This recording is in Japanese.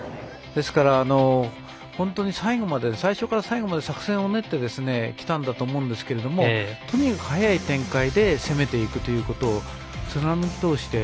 ですから、本当に最初から最後まで作戦を練ってきたんだと思うんですけれどもとにかく早い展開で攻めていくということを貫き通して。